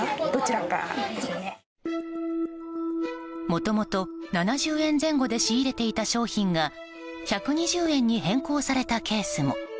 もともと７０円前後で仕入れていた商品が１２０円に変更されたケースも。